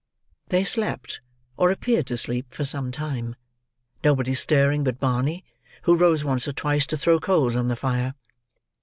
They slept, or appeared to sleep, for some time; nobody stirring but Barney, who rose once or twice to throw coals on the fire.